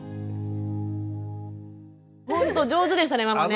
ほんと上手でしたねママね。